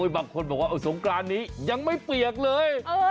บางคนบอกว่าสงกรานนี้ยังไม่เปียกเลย